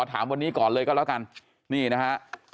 ถามวันนี้ก่อนเลยก็แล้วกันนี่นะฮะ